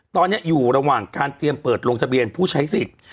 ตอนนี้อยู่ระหว่างการเตรียมเปิดลงทะเบียนผู้ใช้สิทธิ์